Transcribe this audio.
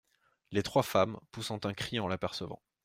Les Trois Femmes , poussant un cri en l’apercevant.